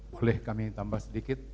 boleh kami tambah sedikit